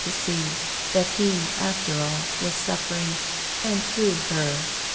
301 to see that he, after all, was suffering and through her.